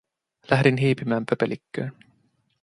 Lähdin hiipimään pöpelikköön.